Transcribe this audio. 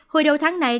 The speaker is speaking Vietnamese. hồi đầu tháng này